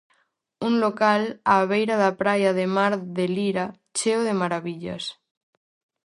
Un local á beira da praia de mar de Lira cheo de marabillas.